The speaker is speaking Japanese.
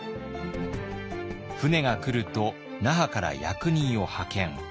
船が来ると那覇から役人を派遣。